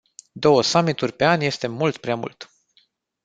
Două summituri pe an este mult prea mult.